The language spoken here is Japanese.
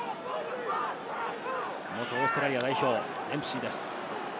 元オーストラリア代表、デンプシーです。